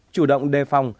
chủ động đề phạm